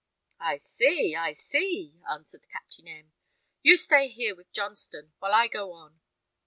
"I see, I see," answered Captain M . "You stay here with Johnstone, while I go on.